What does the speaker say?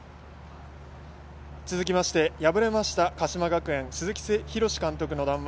続きまして敗れました鹿島学園鈴木博識監督の談話